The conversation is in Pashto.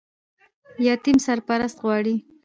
یتیم سرپرست غواړي